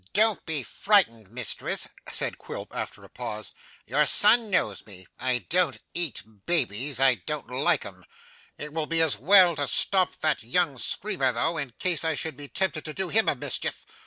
'Don't be frightened, mistress,' said Quilp, after a pause. 'Your son knows me; I don't eat babies; I don't like 'em. It will be as well to stop that young screamer though, in case I should be tempted to do him a mischief.